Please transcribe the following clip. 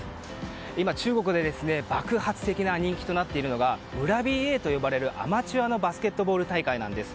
今、中国で爆発的な人気となっているのが村ＢＡと呼ばれるアマチュアのバスケットボール大会です。